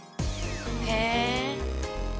へえ。